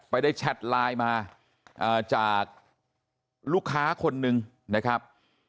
ได้แชทไลน์มาจากลูกค้าคนนึงนะครับ